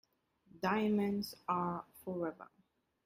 Diamonds are forever.